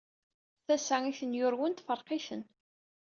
Tassa i ten-yurwen tefreq-iten.